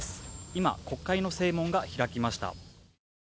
今、国会の正門が開きました。